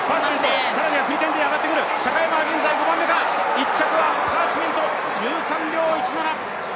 １着はパーチメント、１３秒１７。